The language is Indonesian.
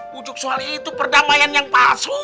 bujuk soal itu perdamaian yang pasang